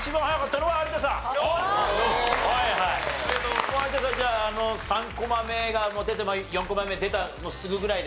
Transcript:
もう有田さんじゃああの３コマ目が出て４コマ目が出たもうすぐぐらいで。